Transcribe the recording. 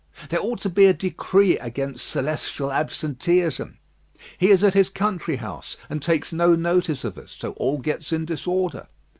There ought to be a decree against celestial absenteeism. He is at his country house, and takes no notice of us; so all gets in disorder.